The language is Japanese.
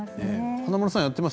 華丸さん